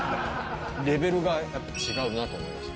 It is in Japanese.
レベルがやっぱ違うなと思いました。